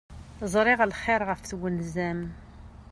Ẓriɣ lxir ɣef twenza-m.